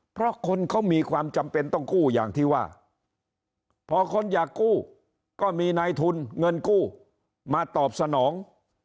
เพราะคนเขามีความจำเป็นต้องกู้อย่างที่ว่าพอคนอยากกู้ก็มีนายทุนเงินกู้มาตอบสนอง